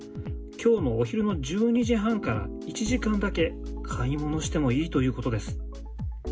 きょうのお昼の１２時半から１時間だけ買い物してもいいということです。